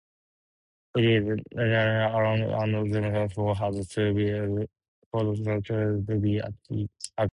It is a nucleoside analog and therefore has to be phosphorylated to be active.